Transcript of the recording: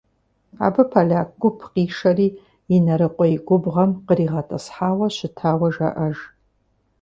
Абы поляк гуп къишэри Инарыкъуей губгъуэм къригъэтӏысхьауэ щытауэ жаӏэж.